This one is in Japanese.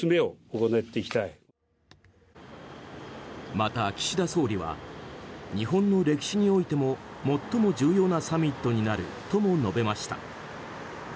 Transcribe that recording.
また岸田総理は日本の歴史においても最も重要なサミットになるとも述べました。